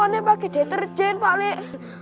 kok nanya pake deterjen pak lek